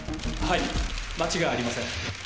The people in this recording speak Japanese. はい間違いありません。